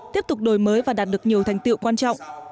tiếp tục đổi mới và đạt được nhiều thành tiệu quan trọng